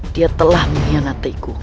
dia telah menyanatiku